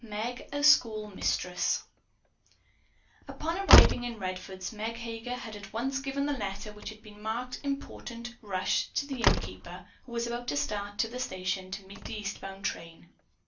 MEG AS SCHOOL MISTRESS Upon arriving in Redfords, Meg Heger had at once given the letter which had been marked "Important! Rush!" to the innkeeper, who was about to start for the station to meet the eastbound train.